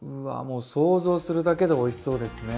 もう想像するだけでおいしそうですね！